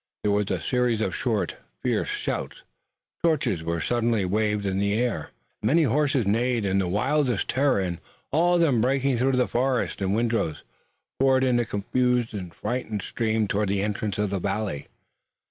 There was a series of short, fierce shouts. Torches were suddenly waved in the air. Many horses neighed in the wildest terror and, all of them breaking through the forest and windrows, poured in a confused and frightened stream toward the entrance of the valley.